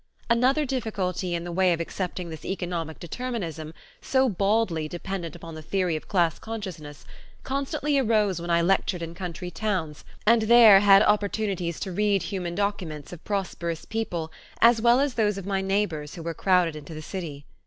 Another difficulty in the way of accepting this economic determinism, so baldly dependent upon the theory of class consciousness, constantly arose when I lectured in country towns and there had opportunities to read human documents of prosperous people as well as those of my neighbors who were crowded into the city.